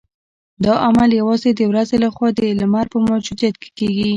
دا عمل یوازې د ورځې لخوا د لمر په موجودیت کې کیږي